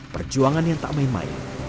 perjuangan yang tak main main